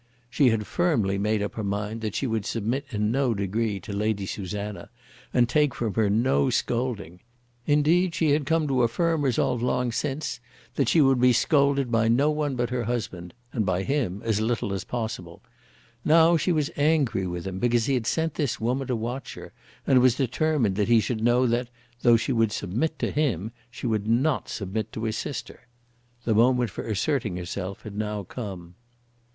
She had firmly made up her mind that she would submit in no degree to Lady Susanna, and take from her no scolding. Indeed, she had come to a firm resolve long since that she would be scolded by no one but her husband and by him as little as possible. Now she was angry with him because he had sent this woman to watch her, and was determined that he should know that, though she would submit to him, she would not submit to his sister. The moment for asserting herself had now come.